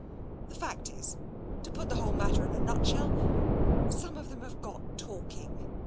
" The fact is, to put the whole matter in a nutshell, some of them have got talking.